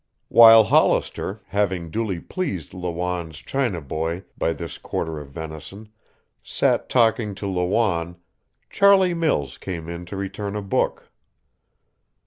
While Hollister, having duly pleased Lawanne's China boy by this quarter of venison, sat talking to Lawanne, Charlie Mills came in to return a book.